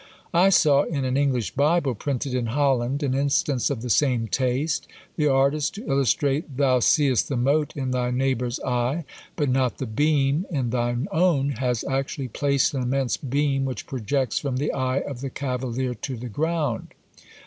I saw in an English Bible printed in Holland an instance of the same taste: the artist, to illustrate "Thou seest the mote in thy neighbour's eye, but not the beam in thine own," has actually placed an immense beam which projects from the eye of the cavalier to the ground!